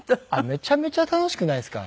めちゃめちゃ楽しくないですか？